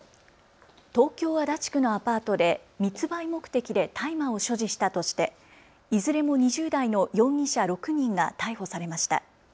東京足立区のアパートで密売目的で大麻を所持したとしていずれも２０代の容疑者６人が逮捕されました。